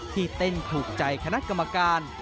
เต้นถูกใจคณะกรรมการ